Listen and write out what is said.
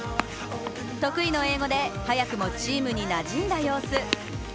得意の英語で早くもチームになじんだ様子。